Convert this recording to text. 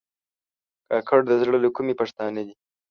کاکړ د زړه له کومي پښتانه دي.